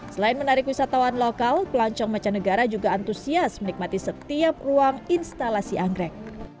selain menarik wisatawan lokal pelancong mecanegara juga antusias menikmati setiap ruang instalasi anggrek